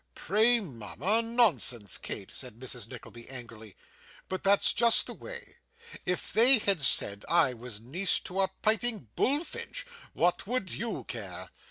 '"Pray mama!" Nonsense, Kate,' said Mrs. Nickleby, angrily, 'but that's just the way. If they had said I was niece to a piping bullfinch, what would you care?